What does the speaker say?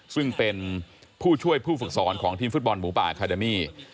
ซึ่งเป็นผู้ช่วยผู้ฝึกสอนของทีมฟุตบอลหมูป่าอาคาเดมี่